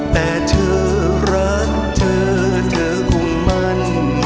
แต่เธอรักเธอเธอคงมั่น